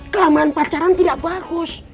kelamaan pacaran tidak bagus